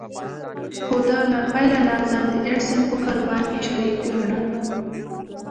خو ده له پيله لا ځان د ايډېسن په کاروبار کې شريک ګاڼه.